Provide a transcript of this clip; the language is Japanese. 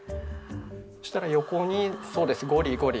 そしたら横にそうですゴリゴリ。